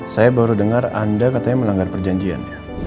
saya baru dengar anda katanya melanggar perjanjian